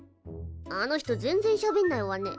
あの人全然しゃべんないわね。